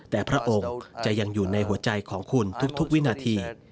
แต่พระองค์จะยังอยู่ในหัวใจของคุณทุกวินาที